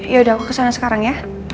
yaudah aku kesana sekarang ya